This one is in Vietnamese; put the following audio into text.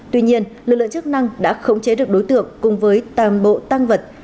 tuy nhiên lực lượng chức năng đã khống chế được đối tượng cùng với tàm bộ tăng vật